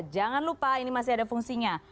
jangan lupa ini masih ada fungsinya